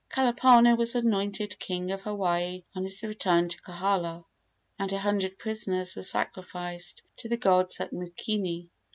Kalapana was anointed king of Hawaii on his return to Kohala, and a hundred prisoners were sacrificed to the gods at Mookini.